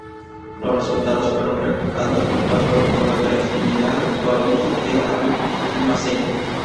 Los resultados fueron replicados por cuatro laboratorios en Milán, Toronto, Tel-Aviv y Marsella.